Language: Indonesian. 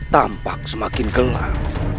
tampak semakin gelap